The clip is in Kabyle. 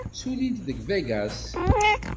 Ssullint deg Vegas.